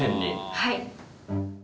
はい。